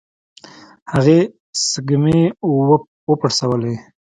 هغې سږمې وپړسولې.